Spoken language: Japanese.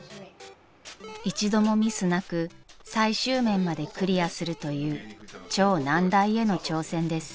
［一度もミスなく最終面までクリアするという超難題への挑戦です］